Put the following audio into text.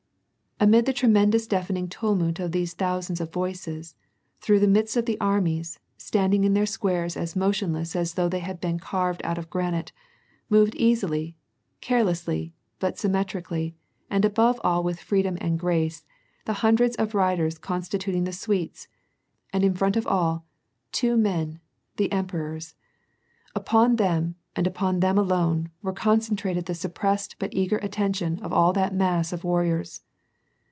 Amid the tremendous deafening tumult of these thousands of voices, through the midst of the armies, standing in their squares as motionless as though they had been carved out of granite, moved easily, carelessly, but symmetrically, and above all with freedom and grace, the hundreds of riders constituting the suites, and in front of all — two 4^n, the emperors ! Upon them, and upon them alone, were concentrated the suppressed but eager attention of all that mass of warriors.